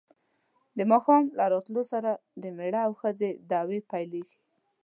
د ماښام له راتلو سره د مېړه او ښځې دعوې پیلېږي.